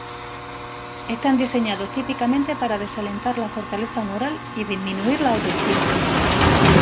Están diseñados típicamente para desalentar la fortaleza moral y disminuir la autoestima.